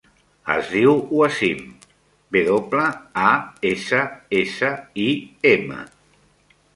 Es diu Wassim: ve doble, a, essa, essa, i, ema.